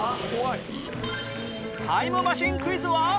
タイムマシンクイズは